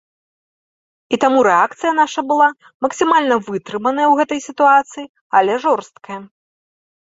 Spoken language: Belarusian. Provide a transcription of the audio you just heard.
І таму рэакцыя наша была максімальна вытрыманая ў гэтай сітуацыі, але жорсткая.